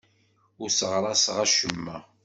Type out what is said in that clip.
Ur sseɣraseɣ acemma.